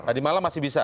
tadi malam masih bisa